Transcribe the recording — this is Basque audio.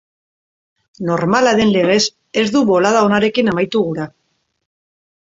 Normala den legez, ez du bolada onarekin amaitu gura.